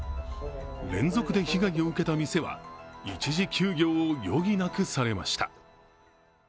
連続で被害を受けた店は一時休業を余儀なくされました。